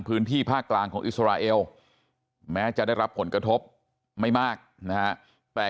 พื้นที่ภาคกลางของอิสราเอลแม้จะได้รับผลกระทบไม่มากนะฮะแต่